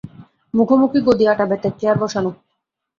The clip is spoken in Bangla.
মুখোমুখি গদিআটা বেতের চেয়ার বসানো।